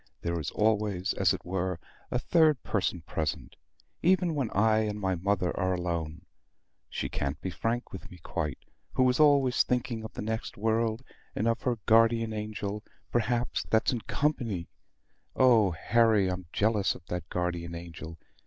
There is always, as it were, a third person present, even when I and my mother are alone. She can't be frank with me quite; who is always thinking of the next world, and of her guardian angel, perhaps that's in company. Oh, Harry, I'm jealous of that guardian angel!"